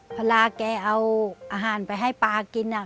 เวลาแกเอาอาหารไปให้ปลากิน